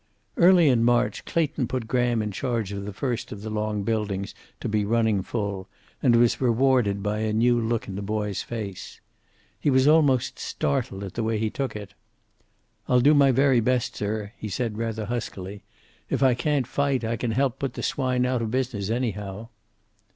Early in March Clayton put Graham in charge of the first of the long buildings to be running full, and was rewarded by a new look in the boy's face. He was almost startled at the way he took it. "I'll do my very best, sir," he said, rather huskily. "If I can't fight, I can help put the swine out of business, anyhow."